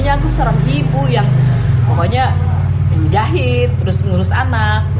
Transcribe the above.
aku seorang ibu yang pokoknya menjahit terus ngurus anak